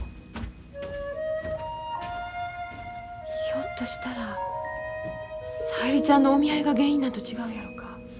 ひょっとしたら小百合ちゃんのお見合いが原因なんと違うやろか。